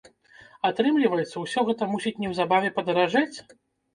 Атрымліваецца, усё гэта мусіць неўзабаве падаражэць?